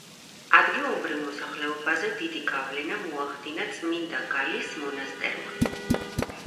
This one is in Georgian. ადგილობრივ მოსახლეობაზე დიდი გავლენა მოახდინა წმინდა გალის მონასტერმა.